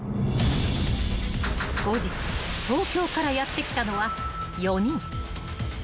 ［後日東京からやって来たのは４人］